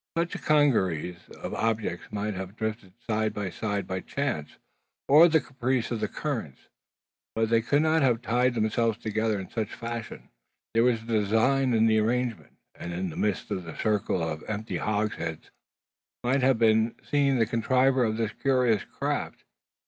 Such a congeries of objects might have drifted side by side by chance, or the caprice of the currents; but they could not have tied themselves together in such fashion. There was design in the arrangement; and in the midst of the circle of empty hogsheads might have been seen the contriver of this curious craft.